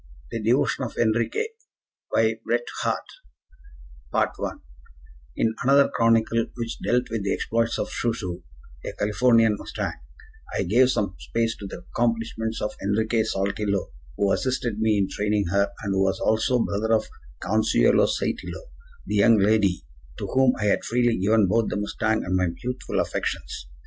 THE DEVOTION OF ENRIQUEZ In another chronicle which dealt with the exploits of "Chu Chu," a Californian mustang, I gave some space to the accomplishments of Enriquez Saltillo, who assisted me in training her, and who was also brother to Consuelo Saitillo, the young lady to whom I had freely given both the mustang and my youthful affections.